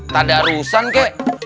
tadah arusan kek